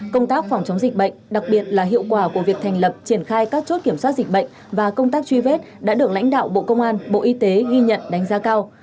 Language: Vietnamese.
công tác phòng chống dịch bệnh đặc biệt là hiệu quả của việc thành lập triển khai các chốt kiểm soát dịch bệnh và công tác truy vết đã được lãnh đạo bộ công an bộ y tế ghi nhận đánh giá cao